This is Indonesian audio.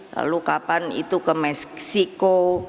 lalu kapan itu ke meksiko